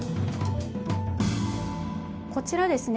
こちらですね